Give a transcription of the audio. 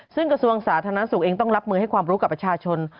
ซึ่งกระทรวงสาธารณสุขเองต้องรับมือให้ความรู้กับประชาชน